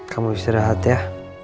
kamu istirahat ya